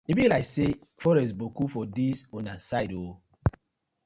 E bi layk say forest boku for dis una side oo?